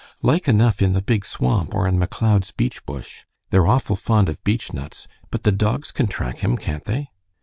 "Like enough in the Big Swamp or in McLeod's beech bush. They're awful fond of beechnuts. But the dogs can track him, can't they?"